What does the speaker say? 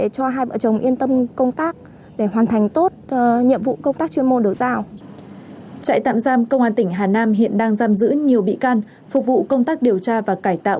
trại tạm giam công an tỉnh hà nam hiện đang giam giữ nhiều bị can phục vụ công tác điều tra và cải tạo